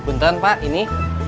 benteng pak ini